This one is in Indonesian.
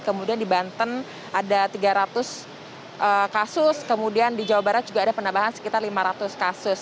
kemudian di banten ada tiga ratus kasus kemudian di jawa barat juga ada penambahan sekitar lima ratus kasus